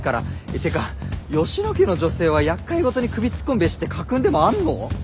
ってか吉野家の女性は「やっかいごとに首突っ込むべし」って家訓でもあんの？